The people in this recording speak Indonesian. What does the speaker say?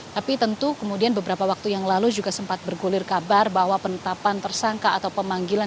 tapi tentu kemudian beberapa waktu yang lalu juga sempat bergulir kabar bahwa penetapan tersangka atau pemanggilan